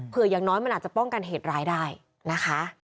อย่างน้อยมันอาจจะป้องกันเหตุร้ายได้นะคะ